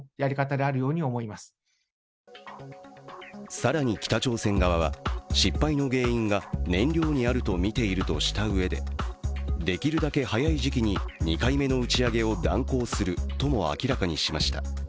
更に、北朝鮮側は失敗の原因が燃料にあるとみているとしたうえでできるだけ早い時期に２回目の打ち上げを断行するとも明らかにしました。